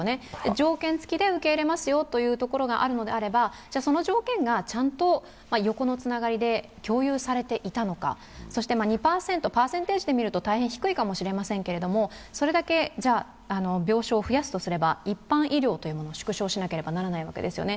条件付きで受け入れますよというところがあるのであればその条件がちゃんと横のつながりで共有されていたのか、そして２％、パーセンテージで見ると大変低いかもしれませんけどそれだけ病床を増やすれば、一般医療を縮小しなければならないわけですよね。